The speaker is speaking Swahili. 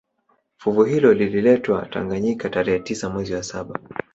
Fuvu hilo lililetwa Tanganyika tarehe tisa mwezi wa saba